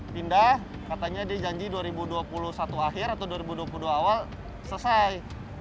pindah katanya dia janji dua ribu dua puluh satu akhir atau dua ribu dua puluh dua awal selesai